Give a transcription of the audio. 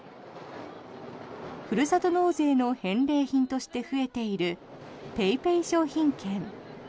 ふるさと納税の返礼品として増えているＰａｙＰａｙ商品券。